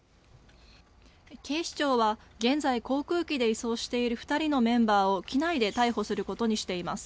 警視庁は現在、航空機で移送している２人のメンバーを機内で逮捕することにしています。